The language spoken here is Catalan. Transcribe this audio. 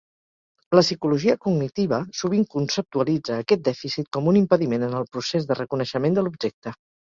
La psicologia cognitiva sovint conceptualitza aquest dèficit com un impediment en el procés de reconeixement de l'objecte.